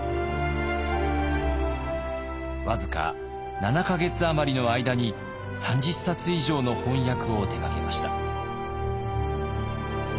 僅か７か月余りの間に３０冊以上の翻訳を手がけました。